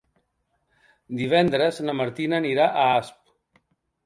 Divendres na Martina anirà a Asp.